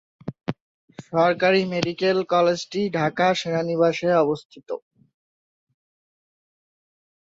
সরকারি মেডিকেল কলেজটি ঢাকা সেনানিবাসে অবস্থিত।